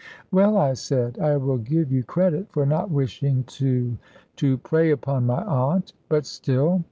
"Well," I said, "I will give you credit for not wishing to to prey upon my aunt. But still